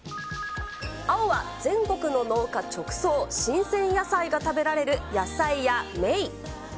青は、全国の農家直送、新鮮野菜が食べられるやさい家めい。